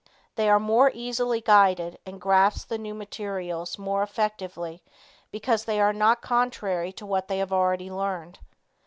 They are more easily guided and grasp the new methods more effectively because they are not contrary to what they have already learned.